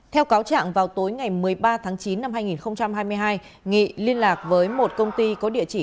theo cáo trạng vào tối ngày một mươi ba tháng chín năm hai nghìn hai mươi hai nghị liên lạc với một công ty có địa chỉ